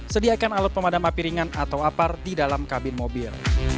sediakan alat pemadam api ringan atau apar di dalam kabin mobil